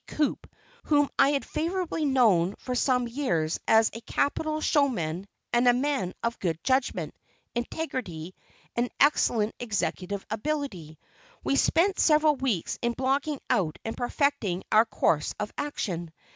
Coup, whom I had favorably known for some years as a capital showman and a man of good judgment, integrity, and excellent executive ability, we spent several weeks in blocking out and perfecting our course of action.